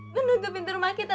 menutup pintu rumah kita